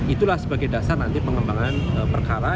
itulah sebagai dasar nanti pengembangan perkara